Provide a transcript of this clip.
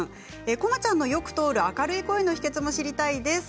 駒ちゃんのよく通る明るい声の秘けつを知りたいです。